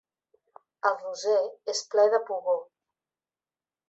El roser és ple de pugó.